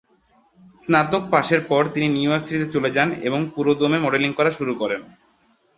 স্নাতক পাশের পর তিনি নিউ ইয়র্ক সিটিতে চলে যান, এবং পুরোদমে মডেলিং করা শুরু করেন।